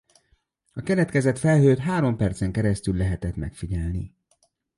A keletkezett felhőt három percen keresztül lehetett megfigyelni.